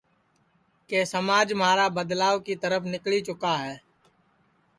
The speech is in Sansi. کہ سماج مہارا بدلاو کی ترپھ نِکݪی چُکا ہے